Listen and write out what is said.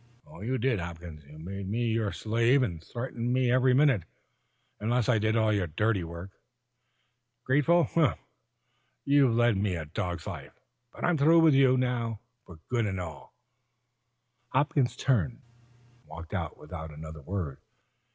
"You did, Hopkins. You made me your slave, and threatened me every minute, unless I did all your dirty work. Grateful? You've led me a dog's life. But I'm through with you now for good and all." Hopkins turned and walked out without another word.